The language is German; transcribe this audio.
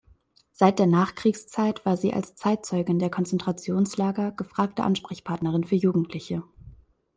Seit der Nachkriegszeit war sie als Zeitzeugin der Konzentrationslager gefragte Ansprechpartnerin für Jugendliche.